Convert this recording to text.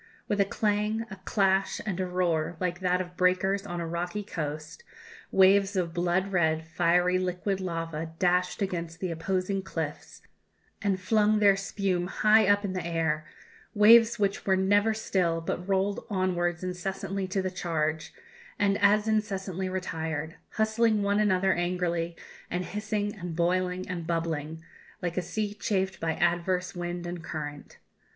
With a clang, a clash, and a roar, like that of breakers on a rocky coast, waves of blood red, fiery, liquid lava dashed against the opposing cliffs, and flung their spume high up in the air waves which were never still, but rolled onwards incessantly to the charge, and as incessantly retired hustling one another angrily, and hissing and boiling and bubbling, like a sea chafed by adverse wind and current.